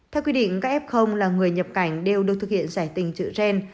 theo quy định các f là người nhập cảnh đều được thực hiện giải trình tựa gen